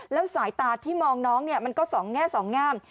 แล้วสายตาที่มองน้องมันก็สองแง่สองงาม